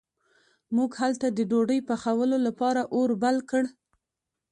موږ هلته د ډوډۍ پخولو لپاره اور بل کړ.